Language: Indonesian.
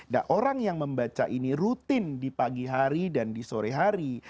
nah orang yang membaca ini rutin di pagi hari dan di sore hari